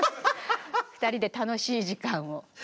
２人で楽しい時間をほっこり。